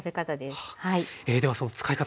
ではその使い方